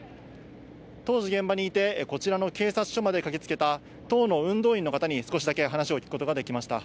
当時現場にいて、こちらの警察署まで駆けつけた党の運動員の方に少しだけ話を聞くことができました。